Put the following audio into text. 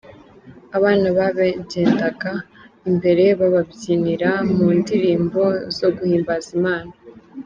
Abana babagendaga imbere bababyinira mundirimbo zo guhimbaza Imana.